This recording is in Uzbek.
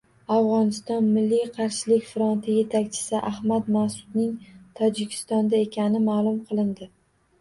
Afg‘oniston milliy qarshilik fronti yetakchisi Ahmad Mas’udning Tojikistonda ekani ma’lum qilindi